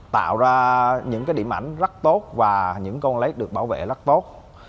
tạo ra những cái điểm ảnh rất tốt và những con led được bảo vệ rất tốt